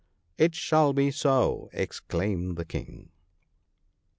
' It shall be so,' exclaimed the King.